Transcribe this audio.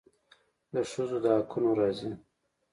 د ښځو د حقونو راځي.